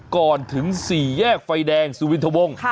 ก่อนถึง๔แยกไฟแดงสุวินทวง